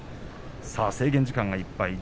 制限時間いっぱいです。